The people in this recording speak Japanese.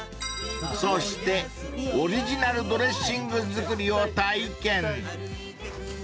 ［そしてオリジナルドレッシング作りを体験］